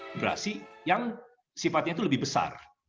generasi yang sifatnya itu lebih besar